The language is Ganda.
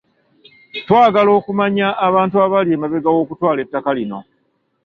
Twagala okumanya abantu abali emabega w'okutwala ettaka lino.